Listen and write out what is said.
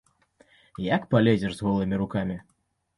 Як палезеш з голымі рукамі?